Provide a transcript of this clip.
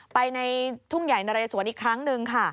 ไปในทุ่งใหญ่นะเรสวนอีกครั้งหนึ่งค่ะ